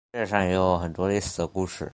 世界上也有很多类似的故事。